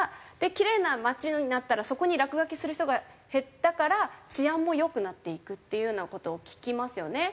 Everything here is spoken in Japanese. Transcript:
きれいな街になったらそこに落書きする人が減ったから治安も良くなっていくっていうような事を聞きますよね。